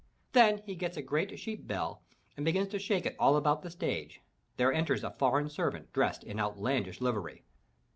Then he gets a great sheep bell and begins to shake it all about the stage. There enters a foreign servant dressed in outlandish livery.